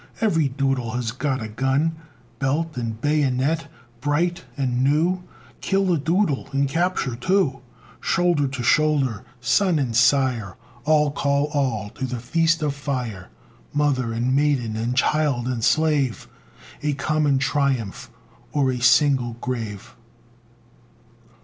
Every Doodle has got a gun, Belt, and bayonet, bright and new; Kill a Doodle, and capture two! Shoulder to shoulder, son and sire! All, call all! to the feast of fire! Mother and maiden, and child and slave, A common triumph or a single grave.